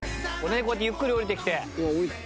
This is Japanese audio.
こうやってゆっくり下りてきて。